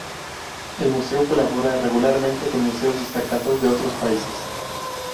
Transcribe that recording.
El museo colabora regularmente con museos destacados de otros países.